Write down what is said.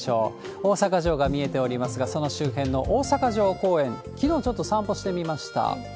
大阪城が見えておりますが、その周辺の大阪城公園、きのう、ちょっと散歩してみました。